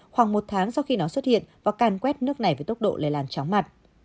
khoảng một tháng sau khi nó xuất hiện và càn quét nước này với tốc độ lây lan chóng mặt